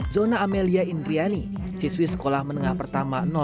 zona amelia indriani siswi sekolah menengah pertama